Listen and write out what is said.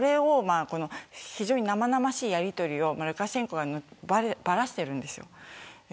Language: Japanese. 非常に生々しいやりとりをルカシェンコがばらしているんです。